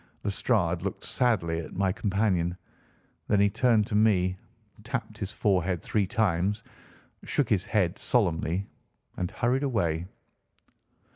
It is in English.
Lestrade looked sadly at my companion. Then he turned to me, tapped his forehead three times, shook his head solemnly, and hurried away.